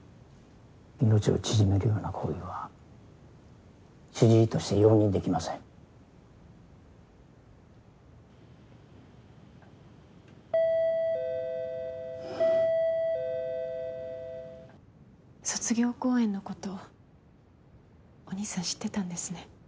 命を縮めるような行為は主治医として容認できません卒業公演のことお義兄さん知ってたんですね。